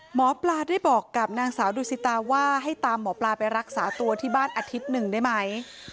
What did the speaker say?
หมอปลาได้บอกกับนางสาวดูสิตาว่าให้ตามหมอปลาไปรักษาตัวที่บ้านอาทิตย์หนึ่งได้ไหม